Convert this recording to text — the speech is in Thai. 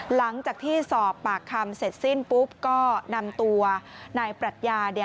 หลังจากที่สอบปากคำเสร็จสิ้นปุ๊บก็นำตัวนายปรัชญา